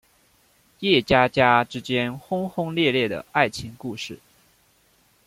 叶家家之间轰轰烈烈的爱情故事。